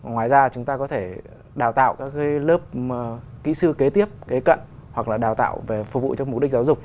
ngoài ra chúng ta có thể đào tạo các lớp kỹ sư kế tiếp kế cận hoặc là đào tạo về phục vụ cho mục đích giáo dục